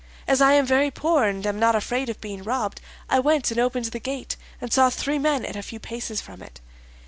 As I am very poor and am not afraid of being robbed, I went and opened the gate and saw three men at a few paces from it.